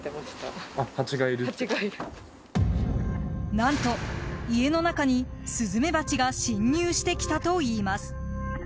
何と、家の中にスズメバチが侵入してきたといいます。